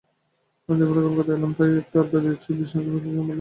অনেকদিন পরে কলকাতা এলাম, তাই একটু আড্ডা দিচ্ছি বিতৃষ্ণা জন্মাল বলে।